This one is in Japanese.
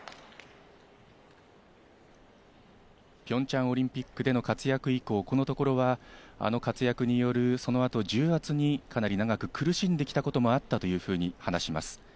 ピョンチャンオリンピックでの活躍以降、このところはあの活躍によるそのあとの重圧に長く苦しんできたこともあったと話します。